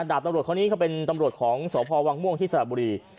ดาบตำรวจคนนี้เขาเป็นตำรวจของสพวังม่วงที่สระบุรี